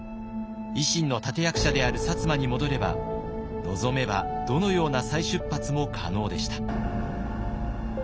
維新の立て役者である薩摩に戻れば望めばどのような再出発も可能でした。